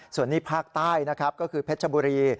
ส่วนนี้ภาคใต้นะครับก็คือเพชรบุรี